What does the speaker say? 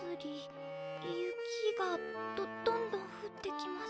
「雪がどどんどんふってきます」。